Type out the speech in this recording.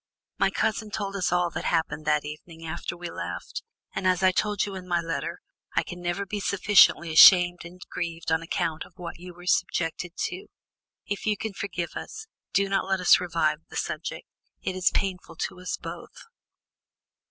My cousin told us all that happened that evening after we left, and, as I told you in my letter, I can never be sufficiently ashamed and grieved on account of what you were subjected to. If you can forgive us, do not let us revive the subject; it is painful to us both."